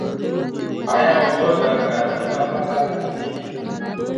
ايا اوبه د کرني لپاره کافي دي؟